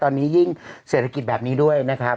ตอนนี้ยิ่งเศรษฐกิจแบบนี้ด้วยนะครับ